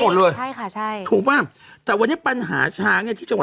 หมดเลยใช่ค่ะใช่ถูกป่ะแต่วันนี้ปัญหาช้างเนี้ยที่จังหวัด